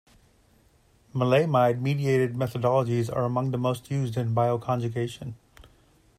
Maleimide-mediated methodologies are among the most used in bioconjugation.